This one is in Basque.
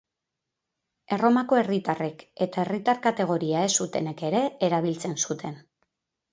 Erromako herritarrek eta herritar-kategoria ez zutenek ere erabiltzen zuten.